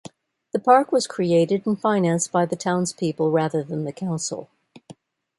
The park was created and financed by the townspeople rather than the council.